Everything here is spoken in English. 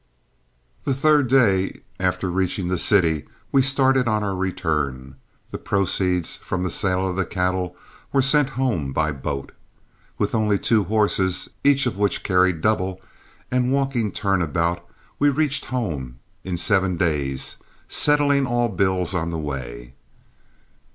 The third day after reaching the city we started on our return. The proceeds from the sale of the cattle were sent home by boat. With only two horses, each of which carried double, and walking turn about, we reached home in seven days, settling all bills on the way.